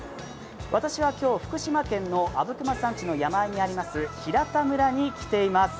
私は今日、福島県の阿武隈山地の山あいにあります、平田村に来ています。